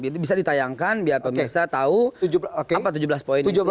bisa ditayangkan biar pemirsa tahu apa tujuh belas poin ini